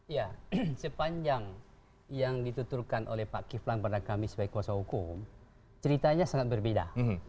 ya sepanjang yang dituturkan oleh pak kiflan pada kami sebagai kuasa hukum ceritanya sangat berbeda